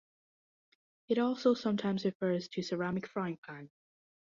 It also sometimes refers to ceramic frying pan.